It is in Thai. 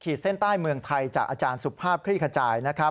เส้นใต้เมืองไทยจากอาจารย์สุภาพคลี่ขจายนะครับ